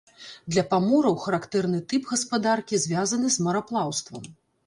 Для памораў характэрны тып гаспадаркі, звязаны з мараплаўствам.